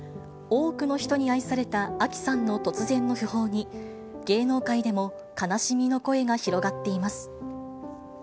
多くの人に愛されたあきさんの突然の訃報に、芸能界でも悲しみの声が広がっています。